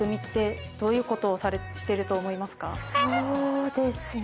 そうですね。